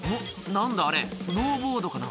何だあれスノーボードかな」